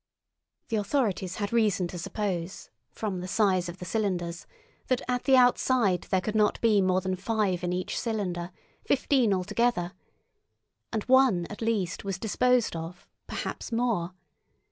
The authorities had reason to suppose, from the size of the cylinders, that at the outside there could not be more than five in each cylinder—fifteen altogether. And one at least was disposed of—perhaps more.